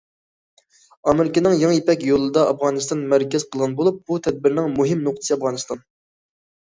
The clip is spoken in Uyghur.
ئامېرىكىنىڭ يېڭى يىپەك يولىدا ئافغانىستان مەركەز قىلغان بولۇپ، بۇ تەدبىرىنىڭ مۇھىم نۇقتىسى ئافغانىستان.